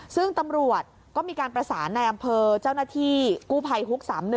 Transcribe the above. ซึ่งตำรวจก็มีการประสานในอำเภอเจ้าหน้าที่กู้ภัยฮุก๓๑